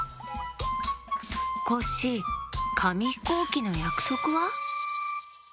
コッシーかみひこうきのやくそくは？